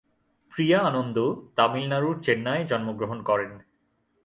প্রিয়া আনন্দ তামিলনাড়ুর চেন্নাইয়ে জন্মগ্রহণ করেন।